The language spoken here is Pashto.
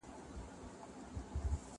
د قانون حاکمیت تر هر څه مهم دی.